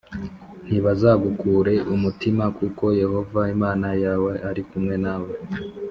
Ntibazagukure umutima, kuko Yehova Imana yawe ari kumwe nawe;